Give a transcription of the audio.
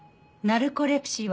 ナルコレプシー？